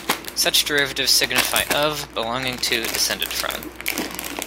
Such derivatives signify "of, belonging to, descended from".